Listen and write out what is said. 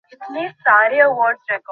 নিচে গিয়ে কাজটা খতম করো।